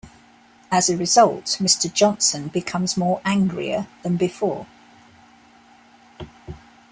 As a result, Mr. Johnson becomes more angrier than before.